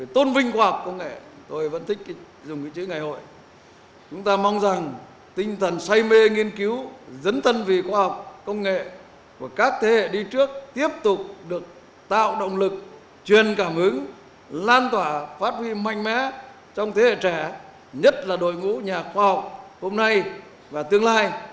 thủ tướng mong rằng tinh thần say mê nghiên cứu dấn thân vì khoa học công nghệ của các thế hệ đi trước tiếp tục được tạo động lực truyền cảm hứng lan tỏa phát huy mạnh mẽ trong thế hệ trẻ nhất là đội ngũ nhà khoa học hôm nay và tương lai